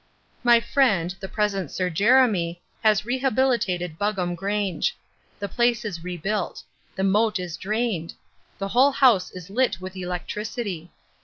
My friend, the present Sir Jeremy, has rehabilitated Buggam Grange. The place is rebuilt. The moat is drained. The whole house is lit with electricity.